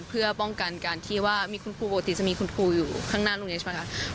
เพื่อป้องกันการที่ว่ามีคุณครูปกติจะมีคุณครูอยู่ข้างหน้าโรงเรียนใช่ไหมคะ